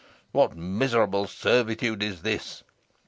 What miserable servitude is this!